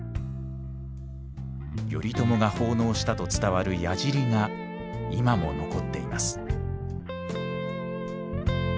頼朝が奉納したと伝わる鏃が今も残っています。